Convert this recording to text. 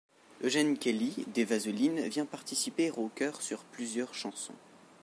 Eugene Kelly, des Vaselines, vient participer aux chœurs sur plusieurs chansons.